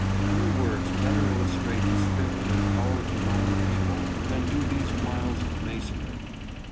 Few works better illustrate the spirit and power of the Roman people than do these miles of masonry.